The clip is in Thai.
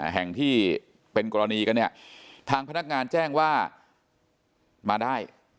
แห่งที่เป็นกรณีกันเนี่ยทางพนักงานแจ้งว่ามาได้